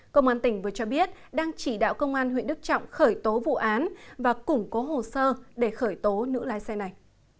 công an tỉnh vừa cho biết đang chỉ đạo công an huyện đức trọng khởi tố vụ án và củng cố hồ sơ để khởi tố nữ lái xe này